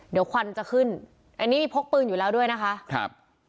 เดี๋ยวควันจะขึ้นอันนี้มีพกปืนอยู่แล้วด้วยนะคะครับ